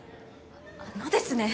あのですね。